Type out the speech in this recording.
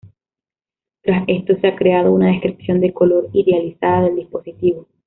Tras esto, se ha creado una descripción de color idealizada del dispositivo.